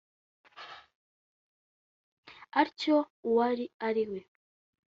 Atyo uwo ari we